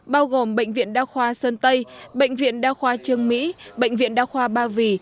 bao gồm bệnh viện đa khoa sơn tây bệnh viện đa khoa trương mỹ bệnh viện đa khoa ba vì